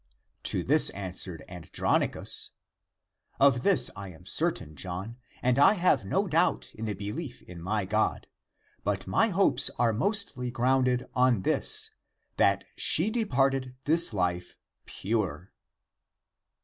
To this answered Andronicus, "Of this I am cer tain, John, and I have no doubt in the belief in my God. But my hopes are mostly grounded on this, that she departed this life pure."